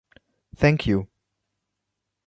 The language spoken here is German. Thank you!